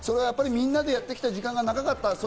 みんなでやってきた時間が長かった。